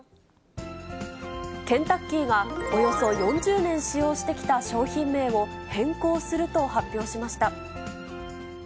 ケンタッキーが、およそ４０年使用してきた商品名を変更すると発表しました。